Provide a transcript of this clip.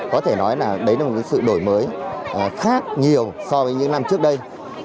có thể nói là đấy là một sự đổi mới khác nhiều so với những năm trước đây